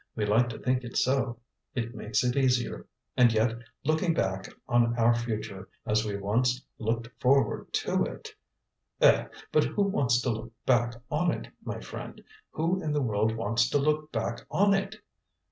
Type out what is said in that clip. We like to think it so; it makes it easier. And yet, looking back on our future as we once looked forward to it " "Eh! but who wants to look back on it, my friend? Who in the world wants to look back on it?"